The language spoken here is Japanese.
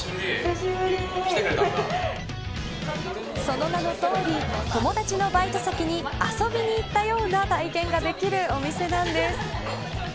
その名の通り友達のバイト先に遊びに行ったような体験ができるお店なんです。